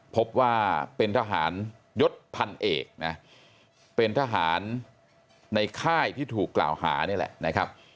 พบว่าเป็นทหารยศพันเอกนะเป็นทหารในค่ายที่ถูกกล่าวหานี่แหละนะครับ